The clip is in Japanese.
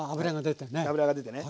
脂が出てね。